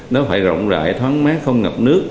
nó phải rộng rãi thoáng mát không ngập nước